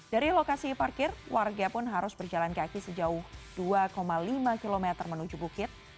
dari lokasi parkir warga pun harus berjalan kaki sejauh dua lima km menuju bukit